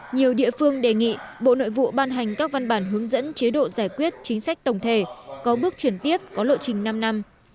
nhiều địa phương đề nghị bộ nội vụ ban hành các văn bản hướng dẫn chế độ giải quyết chính sách tổng thể có bước chuyển tiếp có lộ trình năm năm